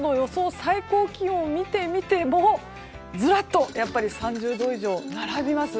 最高気温を見てみてもずらっと３０度以上が並びます。